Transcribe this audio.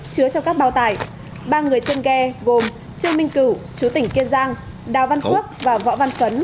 chứa trong các bao tải ba người trên ghe gồm trương minh cửu chú tỉnh kiên giang đào văn quốc và võ văn phấn